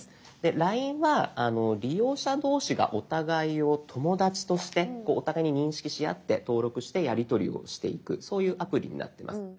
「ＬＩＮＥ」は利用者同士がお互いを「友だち」としてお互いに認識し合って登録してやりとりをしていくそういうアプリになってます。